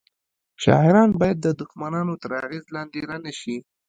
شاعران باید د دښمنانو تر اغیز لاندې رانه شي